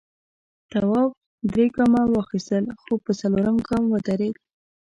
تواب درې گامه واخیستل خو په څلورم گام ودرېد.